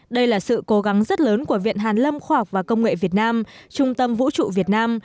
đây là sự cố gắng rất lớn của viện hàn lâm khoa học và công nghệ việt nam trung tâm vũ trụ việt nam